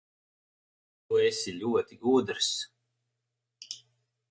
Tu esi ļoti gudrs.